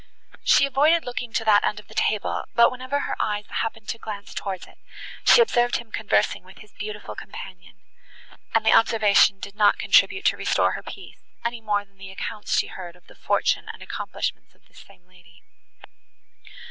She avoided looking to that end of the table, but whenever her eyes happened to glance towards it, she observed him conversing with his beautiful companion, and the observation did not contribute to restore her peace, any more than the accounts she heard of the fortune and accomplishments of this same lady.